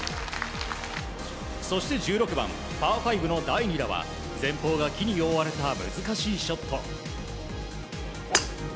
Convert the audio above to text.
そして１６番、パー５の第２打は前方が木に覆われた難しいショット。